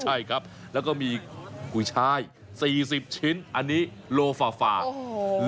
ใช่ครับแล้วก็มีกุญช่าย๔๐ชิ้นอันนี้โลฝ่าโล๖ขีด